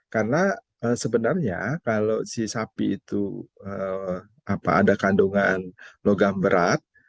karena sebenarnya kalau si sapi itu ada kandungan logam berat